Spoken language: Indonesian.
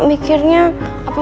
eh daya mplor